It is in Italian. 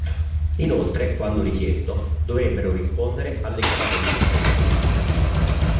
Inoltre, quando richiesto, dovrebbero rispondere alle chiamate di soccorso dei cittadini.